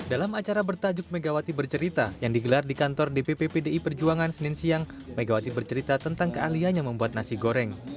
dalam acara bertajuk mega wati bercerita yang digelar di kantor dpp pdi perjuangan senin siang mega wati bercerita tentang keahlianya membuat nasi goreng